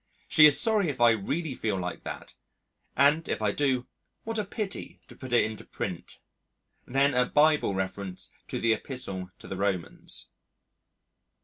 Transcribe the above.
She is sorry if I really feel like that, and, if I do, what a pity to put it into print. Then a Bible reference to the Epistle to the Romans.